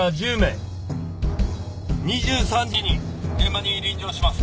「２３時に現場に臨場します」